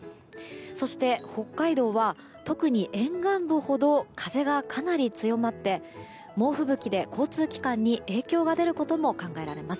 そして、北海道は特に沿岸部ほど風がかなり強まって猛吹雪で交通機関に影響が出ることも考えられます。